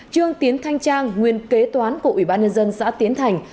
trương tiến thanh trang nguyên kế toán của ủy ban nhân dân xã tiến thành